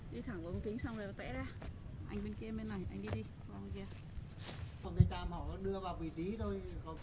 đi thẳng bốn kính xong rồi tẩy ra anh bên kia bên này anh đi đi